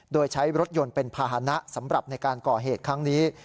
โดยใช้รถยนต์เป็นภาษณะสำหรับในการก่อเหตุครั้งนี้